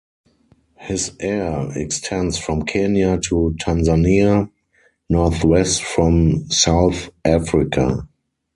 His air extends from Kenya to Tanzania, northwest from South-Africa.